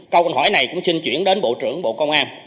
câu hỏi này cũng xin chuyển đến bộ trưởng bộ công an